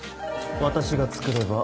私が作れば。